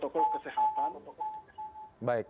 tetapi kedisiplinan terhadap protokol kesehatan